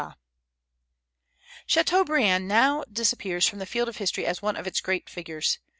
Chateaubriand now disappears from the field of history as one of its great figures.